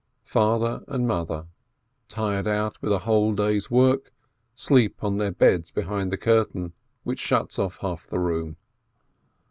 Father and mother, tired out with a whole day's work, sleep on their beds behind the curtain, which shuts off half the room.